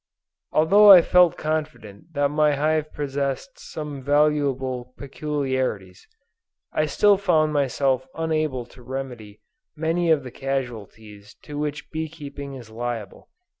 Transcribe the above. Although I felt confident that my hive possessed some valuable peculiarities, I still found myself unable to remedy many of the casualties to which bee keeping is liable.